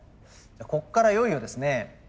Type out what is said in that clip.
こっからいよいよですね